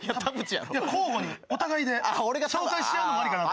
交互にお互いで紹介し合うのもありかなと思って。